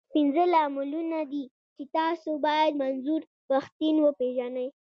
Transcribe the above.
پنځه لاملونه دي، چې تاسو بايد منظور پښتين وپېژنئ.